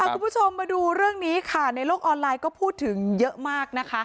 คุณผู้ชมมาดูเรื่องนี้ค่ะในโลกออนไลน์ก็พูดถึงเยอะมากนะคะ